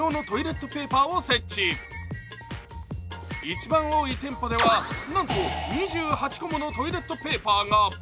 一番多い店舗は、なんと２８個ものトイレットペーパーが。